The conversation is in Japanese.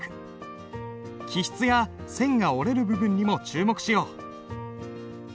起筆や線が折れる部分にも注目しよう。